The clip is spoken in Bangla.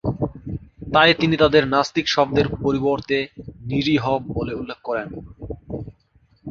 তাই তিনি তাদের নাস্তিক শব্দের পরিবর্তে "নিরীহ" বলে উল্লেখ করেন।